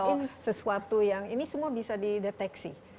mungkin sesuatu yang ini semua bisa dideteksi